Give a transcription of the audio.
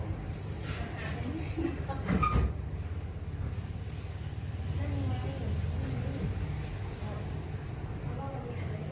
ออกเพื่อแม่นักกับข้าว